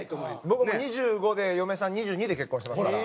僕もう２５で嫁さん２２で結婚してますから。